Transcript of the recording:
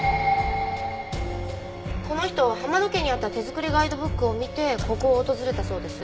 この人浜野家にあった手作りガイドブックを見てここを訪れたそうです。